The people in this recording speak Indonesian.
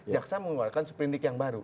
jaksa mengeluarkan seperindik yang baru